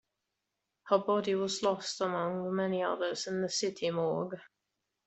Her body was lost among the many others in the city morgue.